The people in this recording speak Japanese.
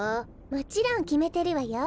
もちろんきめてるわよ